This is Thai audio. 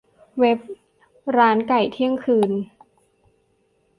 เว็บร้านไก่เที่ยงคืน